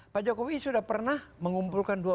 pak jokowi sudah pernah mengumpulkan